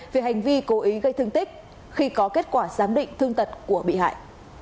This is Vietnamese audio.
về hành vi cố ý gây thương tích khi có kết quả giám định thương tật của bị hại